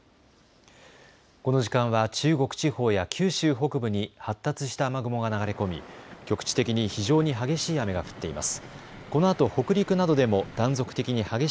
この時間は中国地方や九州北部に発達した雨雲が流れ込み局地的に非常に激しい雨が降っています。